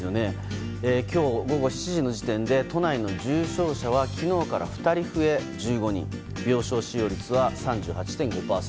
今日午後７時の時点で都内の重症者は昨日から２人増え、１５人。